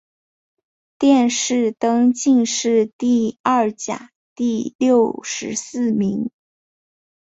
殿试登进士第二甲第六十四名。